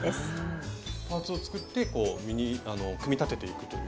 パーツを作って組み立てていくという。